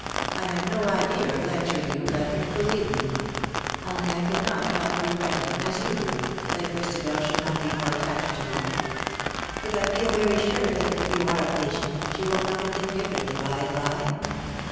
I had no idea of lecturing you, Leonard, believe me ; only I cannot help regretting, as you do, that Christabel should not be more attached 93 to you. But I feel very sure that, if you are patient, she will come to think differently by and by."